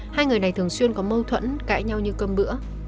hai người này thường xuyên có mâu thuẫn cãi nhau như cơm bữa